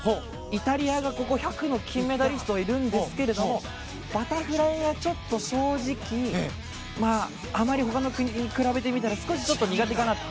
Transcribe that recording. イタリアがここ、１００ｍの金メダリストがいるんですがバタフライはちょっと正直あまりほかの国に比べてみたら少し苦手かなと。